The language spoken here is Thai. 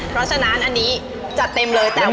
เพราะฉะนั้นอันนี้จะเต็มเลยแต่ว่า